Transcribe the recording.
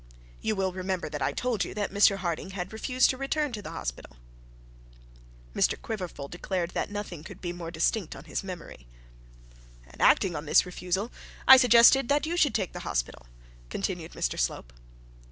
'You will remember that I told you that Mr Harding had refused to return to the hospital.' Mr Quiverful declared that nothing could be more distinct in his memory. 'And acting on this refusal I suggested that you should take the hospital,' continued Mr Slope.